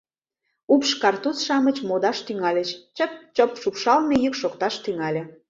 Упш, картуз-шамыч модаш тӱҥальыч, чып-чоп шупшалме йӱк шокташ тӱҥале.